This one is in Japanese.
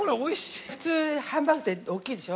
普通ハンバーグって大きいでしょ。